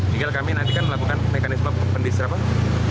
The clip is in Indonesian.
tinggal kami nanti kan melakukan mekanisme pendisrapan